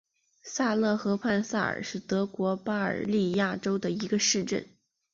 萨勒河畔萨尔是德国巴伐利亚州的一个市镇。